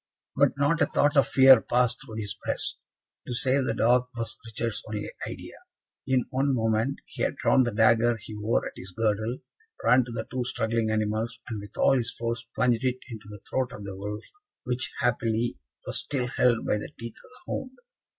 But not a thought of fear passed through his breast; to save the dog was Richard's only idea. In one moment he had drawn the dagger he wore at his girdle, ran to the two struggling animals, and with all his force, plunged it into the throat of the wolf, which, happily, was still held by the teeth of the hound.